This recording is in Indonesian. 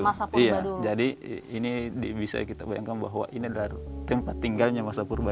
saat ini kita dapat bayangkan bahwa ini adalah tempat tinggalnya manusia purba